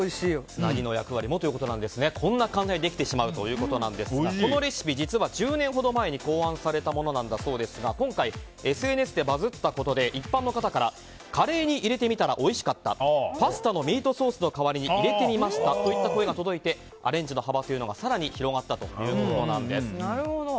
つなぎの役割もということでこんなに簡単にできてしまうということですがこのレシピ、実は１０年ほど前に考案されたものだそうですが今回ＳＮＳでバズったことで一般の方からカレーに入れてみたらおいしかったパスタのミートソースの代わりに入れてみましたといった声が届いてアレンジの幅が更に広がったということです。